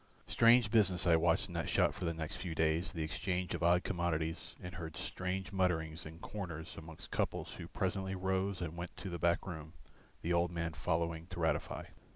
Strange business I watched in that shop for the next few days, the exchange of odd commodities, and heard strange mutterings in corners amongst couples who presently rose and went to the back room, the old man following to ratify.